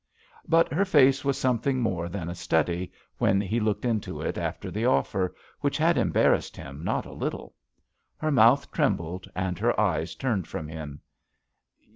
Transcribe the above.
But her face was something more than a study when he looked into it after the offer, which had embarrassed him not a little. Her mouth trembled and her eyes turned from him.